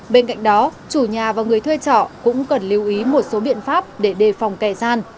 bên cạnh đó chủ nhà và người thuê trọ cũng cần lưu ý một số biện pháp để đề phòng kẻ gian